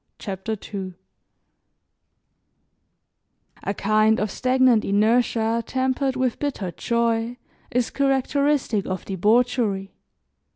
CHAPTER II A KIND of stagnant inertia, tempered with bitter joy, is characteristic of debauchery.